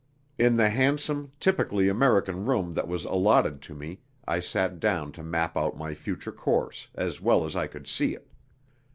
In the handsome, typically American room that was allotted to me I sat down to map out my future course, as well as I could see it.